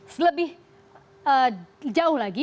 selebih jauh lagi